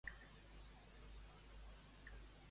Com van assistir aquests a la divinitat Ra?